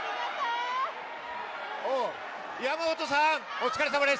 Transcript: お疲れさまです！